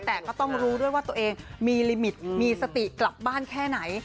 แต่ก็ต้องรู้ด้วยว่าตัวเองมีลิมิตมีสติกลับบ้านแค่ไหน